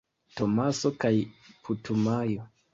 Tomaso kaj Putumajo.